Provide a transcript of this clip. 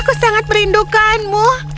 aku sangat merindukanmu